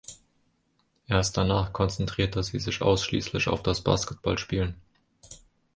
Erst danach konzentrierte sie sich ausschließlich auf das Basketballspielen.